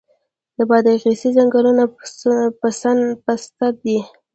د بادغیس ځنګلونه پسته دي